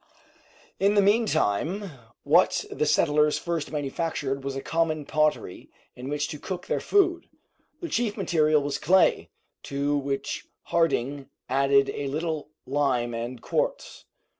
In the meantime what the settlers first manufactured was a common pottery in which to cook their food. The chief material was clay, to which Harding added a little lime and quartz.